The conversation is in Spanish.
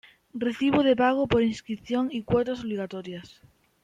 Recibo de pago por Inscripción y cuotas obligatorias.